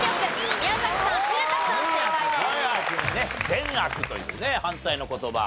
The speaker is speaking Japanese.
善悪というね反対の言葉。